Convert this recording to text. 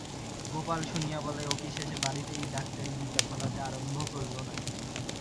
গোপাল শুনিয়া বলে, ও কি শেষে বাড়িতেই ডাক্তারি বিদ্যে ফলাতে আরম্ভ করল নাকি?